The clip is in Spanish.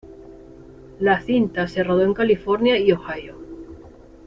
La cinta se rodó en California y Ohio.